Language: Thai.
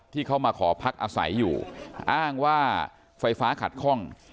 ที่เขามาขอพักอาศัยอยู่อ้างว่าไฟฟ้าขัดคล่อง